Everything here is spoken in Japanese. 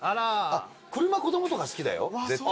車子供とか好きだよ絶対。